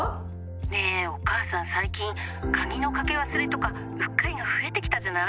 ☎ねぇお母さん最近鍵の掛け忘れとかうっかりが増えてきたじゃない？